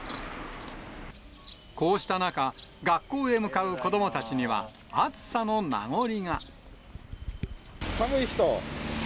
こうした中、学校へ向かう子どもたちには、寒い人？